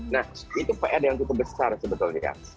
nah itu pr yang cukup besar sebetulnya